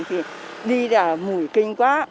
thì đi là mùi kinh quá